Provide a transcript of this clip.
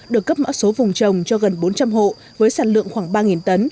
được cấp mã số vùng trồng cho gần bốn trăm linh hộ với sản lượng khoảng ba tấn